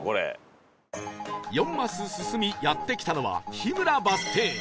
４マス進みやって来たのは桧村バス停